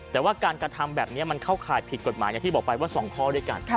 แต่ว่าการกระทำแบบนี้มันเข้าข่ายผิดกฎหมายอย่างที่บอกไปว่า๒ข้อด้วยกัน